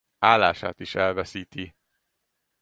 Állását is elveszíti.